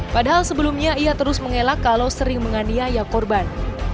padahal sebelumnya ia terus mengelak kalau sering menganiaya korban